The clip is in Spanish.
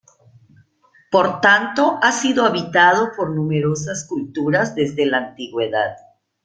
Por tanto ha sido habitado por numerosas culturas desde la antigüedad.